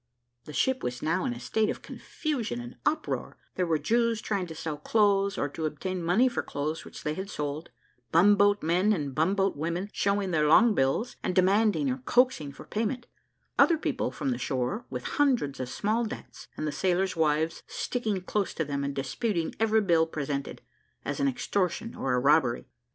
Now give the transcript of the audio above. The ship was now in a state of confusion and uproar; there were Jews trying to sell clothes, or to obtain money for clothes which they had sold; bumboat men and bumboat women showing their long bills, and demanding or coaxing for payment; other people from the shore, with hundreds of small debts; and the sailors' wives, sticking close to them, and disputing every bill presented, as an extortion or a robbery.